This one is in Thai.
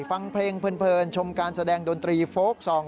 ฟังเพลงเพลินชมการแสดงดนตรีโฟลกซอง